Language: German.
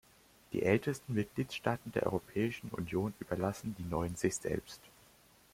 Die älteren Mitgliedstaaten der Europäischen Union überlassen die neuen sich selbst.